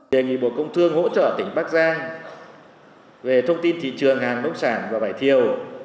đề nghị bộ công thương hỗ trợ tỉnh bắc giang về thông tin thị trường hàng nông sản và vải thiều